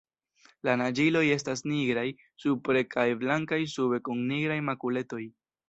La naĝiloj estas nigraj supre kaj blankaj sube kun nigraj makuletoj.